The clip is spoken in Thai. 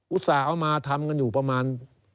ต่าเอามาทำกันอยู่ประมาณ